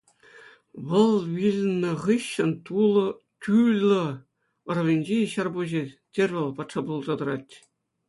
Вӑл вилнӑ хыҫҫӑн Тӳлӑ ӑрӑвӗнчи ҫарпуҫӗ Тервел патша пулса тӑрать.